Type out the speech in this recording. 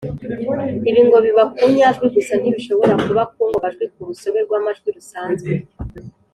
ibi ngo biba ku nyajwi gusa ntibishobora kuba ku ngombajwi mu rusobe rw’amajwi rusanzwe.